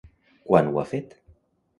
Quan ho ha fet?